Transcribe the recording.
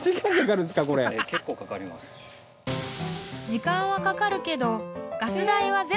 ［時間はかかるけど］